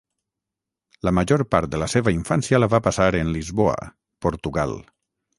La major part de la seva infància la va passar en Lisboa, Portugal.